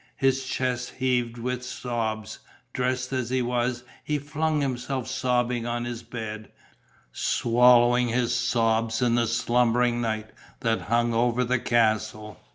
His chest heaved with sobs. Dressed as he was, he flung himself sobbing on his bed, swallowing his sobs in the slumbering night that hung over the castle.